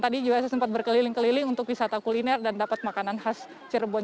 tadi juga saya sempat berkeliling keliling untuk wisata kuliner dan dapat makanan khas cirebon